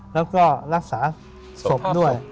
แล้วก็รักษาศพด้วย